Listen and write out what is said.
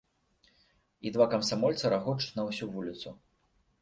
І два камсамольцы рагочуць на ўсю вуліцу.